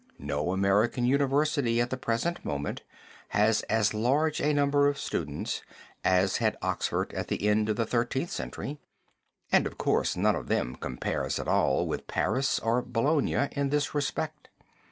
No American university at the present moment has as large a number of students as had Oxford at the end of the Thirteenth Century, and of course none of them compares at all with Paris or Bologna in this respect.